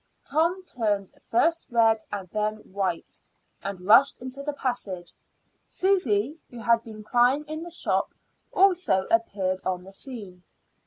Tom turned first red and then white, and rushed into the passage. Susy, who had been crying in the shop, also appeared on the scene.